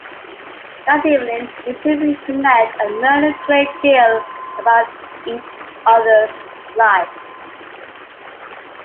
That evening, the two reconnect and learn a great deal about each other's lives.